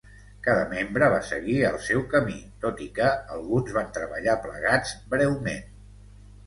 Cada membre va seguir el seu camí, tot i que alguns van treballar plegats breument.